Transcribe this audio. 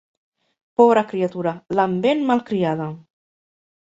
Pobra criatura, l'han ben malcriada!